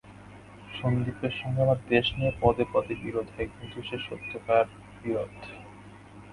সন্দীপের সঙ্গে আমার দেশ নিয়ে পদে পদে বিরোধ হয়, কিন্তু সে সত্যকার বিরোধ।